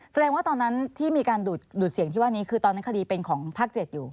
แสดงว่าตอนนั้นที่มีการดูดเสียงที่ว่านี้คือตอนนั้นคดีเป็นของภาค๗อยู่